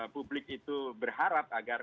publik itu berharap agar